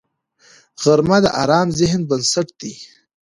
غرمه د ارام ذهن بنسټ دی